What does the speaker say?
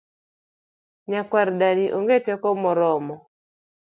Nyakwar dani onge teko moromo